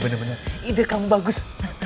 bener bener ide kamu bagus